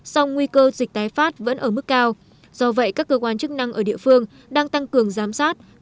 song nguy cơ dịch tái phát vẫn ở mức cao do vậy các cơ quan chức năng ở địa phương đang tăng cường giám sát